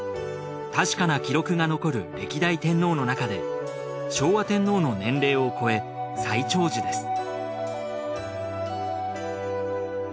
確かな記録が残る歴代天皇の中で昭和天皇の年齢をこえ最長寿です